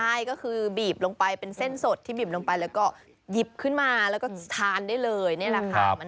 ใช่ก็คือบีบลงไปเป็นเส้นสดที่บีบลงไปแล้วก็หยิบขึ้นมาแล้วก็ทานได้เลยนี่แหละค่ะ